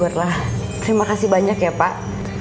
terima kasih banyak ya pak